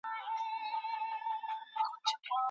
که د درملتونونو څارنه وسي، نو جعلي درمل نه پلورل کیږي.